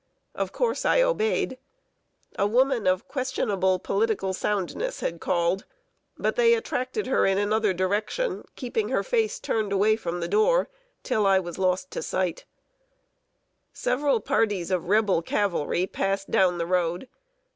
Of course, I obeyed. A woman of questionable political soundness had called; but they attracted her in another direction, keeping her face turned away from the door, till I was lost to sight. [Sidenote: READY WIT OF A WOMAN.] Several parties of Rebel cavalry passed down the road.